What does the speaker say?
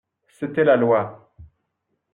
C'était la Loi.